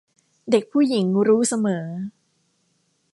เด็กผู้หญิงรู้เสมอ